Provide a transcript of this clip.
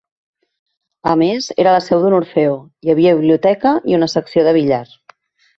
A més, era la seu d'un orfeó, hi havia biblioteca i una secció de billar.